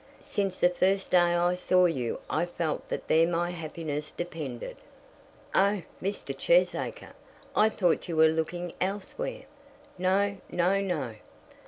Since the first day I saw you I felt that there my happiness depended." "Oh, Mr. Cheesacre, I thought you were looking elsewhere." "No, no, no.